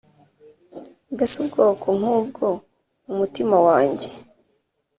Mbese ubwoko nk ubwo umutima wanjye